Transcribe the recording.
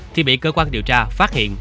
thì bị cơ quan điều tra phát hiện